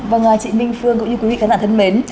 vâng chị minh phương cũng như quý vị các bạn thân mến